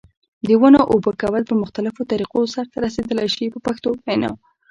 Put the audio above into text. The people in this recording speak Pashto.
د ونو اوبه کول په مختلفو طریقو سرته رسیدلای شي په پښتو وینا.